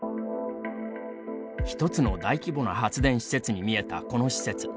１つの大規模な発電施設に見えたこの施設。